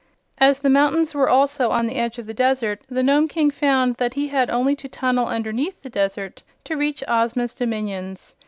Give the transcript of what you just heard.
As the mountains were also on the edge of the desert the Nome King found that he had only to tunnel underneath the desert to reach Ozma's dominions.